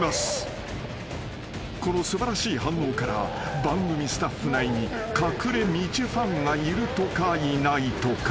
［この素晴らしい反応から番組スタッフ内に隠れみちゅファンがいるとかいないとか］